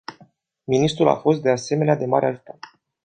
Ministrul a fost, de asemenea, de mare ajutor.